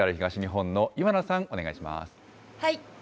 ＪＲ東日本の岩名さん、お願いします。